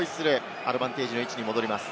アドバンテージの位置に戻ります。